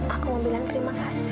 aku mau bilang terima kasih